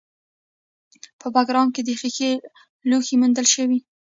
په بګرام کې د ښیښې لوښي موندل شوي